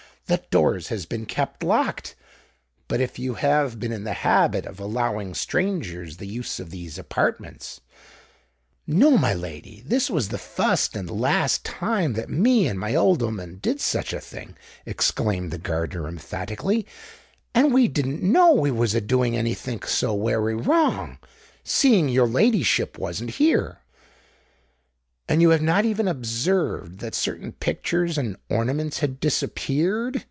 The doors has been kept locked——" "But if you have been in the habit of allowing strangers the use of these apartments——" "No, my lady—this was the fust and the last time that me and my old 'ooman did such a thing," exclaimed the, gardener, emphatically: "and we didn't know we was a doing anythink so wery wrong—seeing your ladyship wasn't here." "And you have not even observed that certain pictures and ornaments had disappeared?"